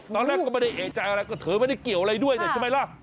ตอนแรกก็ไม่ได้เอกใจอะไรก็เธอไม่ได้เกี่ยวอะไรด้วยเนี่ยใช่ไหมล่ะ